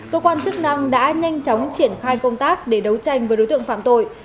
cơ quan chức năng đã nhanh chóng triển khai công tác để đấu tranh với đối tượng phạm tội